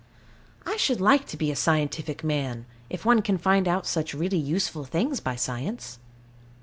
I should like to be a scientific man, if one can find out such really useful things by science.